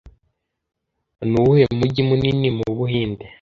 Ni uwuhe mujyi munini mu Buhinde